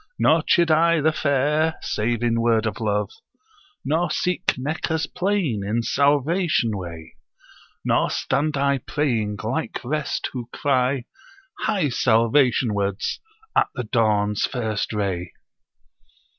Nor chid I the fair, save in word of love. Nor seek Meccah's plain in salvation way: Nor stand I praying, like rest, who cry, "Hie salvation wards!" at the dawn's first ray....'